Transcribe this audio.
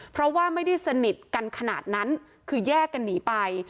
เพราะว่าไม่ได้สนิทกันขนาดนั้นคือแยกกันหนีไป